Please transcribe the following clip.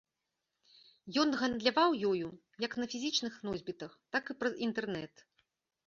Ён гандляваў ёю як на фізічных носьбітах, так і праз інтэрнэт.